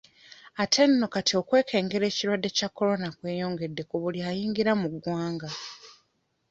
Ate nno kati okwekengera ekirwadde kya Corona kweyongedde ku buli ayingira mu ggwanga.